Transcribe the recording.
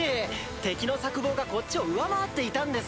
敵の策謀がこっちを上回っていたんですよ。